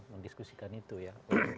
mendiskusikan itu ya